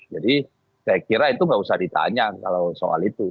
jadi saya kira itu nggak usah ditanya kalau soal itu